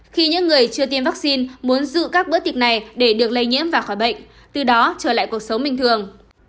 khi những người chưa tiêm vaccine muốn giữ các bữa tiệc này để được lây nhiễm và khỏi bệnh từ đó trở lại cuộc sống bình thường